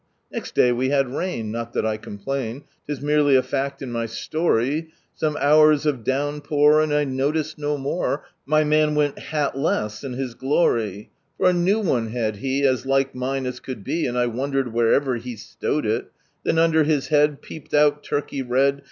Next day we had rain Not that I complain, 'Tis merely a tact in my story, Some hours of downpour. And I noticed, no more My man went tiatlai in bis glory. For a new one had he As like mine as could be. And I wandered wherever he slowed il Then under his head Peeped oul turkey red.